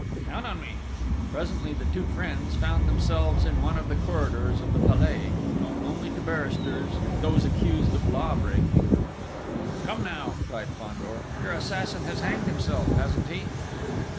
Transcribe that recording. "Count on me!" Presently the two friends found themselves in one of the corridors of the Palais, known only to barristers and those accused of law breaking. "Come now!" cried Fandor, "your assassin has hanged himself, hasn't he?"